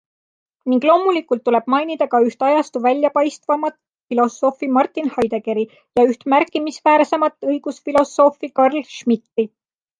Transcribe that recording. Ning loomulikult tuleb mainida ka üht ajastu väljapaistvamat filosoofi Martin Heideggeri ja üht märkimisväärsemat õigusfilosoofi Carl Schmitti.